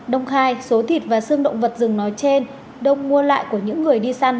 đông khai số thịt và xương động vật rừng nói trên đông mua lại của những người đi săn